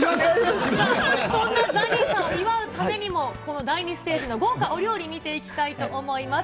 そんなザニーさんを祝うためにも、この第２ステージの豪華お料理、見ていきたいと思います。